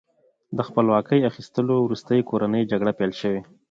د خپلواکۍ اخیستلو وروسته کورنۍ جګړې پیل شوې.